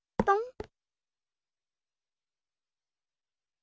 どん。